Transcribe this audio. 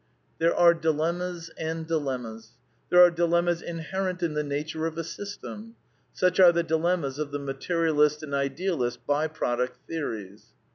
There are dilemmas and dilemmas. There are dilemmas inherent in the nature of a system. /. Such are the dilemmas of the Materialist and Idealist v by product theories.